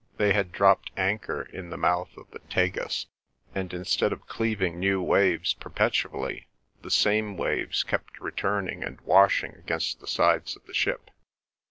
They had dropped anchor in the mouth of the Tagus, and instead of cleaving new waves perpetually, the same waves kept returning and washing against the sides of the ship.